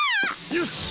よし！